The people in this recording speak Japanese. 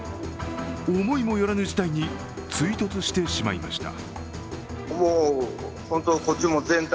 思いも寄らぬ事態に追突してしまいました。